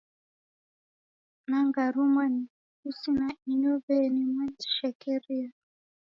Nang'arulwa ni pusi, na ni inyow'eni mwanishekeria.